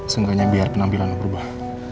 seenggaknya biar penampilan lo berubah